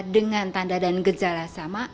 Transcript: dengan tanda dan gejala sama